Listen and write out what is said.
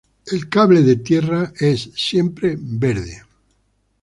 El cable de tierra es siempre verde.